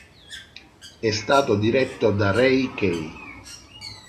È stato diretto da Ray Kay.